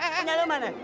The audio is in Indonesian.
punya lu mana